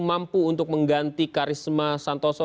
mampu untuk mengganti karisma santoso